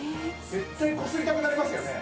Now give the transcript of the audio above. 絶対こすりたくなりますよね？